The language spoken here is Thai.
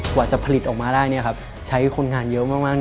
กว่าจะผลิตออกมาได้ใช้คนงานเยอะมาก